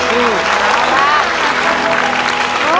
พี่เต๋อเทนเร็ว